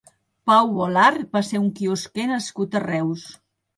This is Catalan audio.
Pau Bolart va ser un quiosquer nascut a Reus.